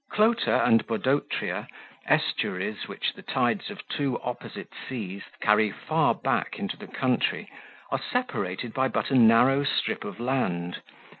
Clota and Bodotria, estuaries which the tides of two opposite seas carry far back into the country, are separated by but a narrow strip of land.